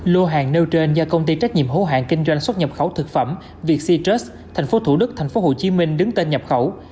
lô hàng nêu trên do công ty trách nhiệm hố hàng kinh doanh xuất nhập khẩu thực phẩm vietsitrus tp thủ đức tp hcm đứng tên nhập khẩu